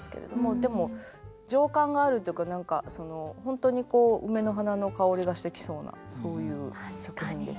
でも情感があるというか何か本当に梅の花の香りがしてきそうなそういう作品です。